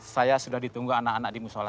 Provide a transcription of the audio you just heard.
saya sudah ditunggu anak anak di musola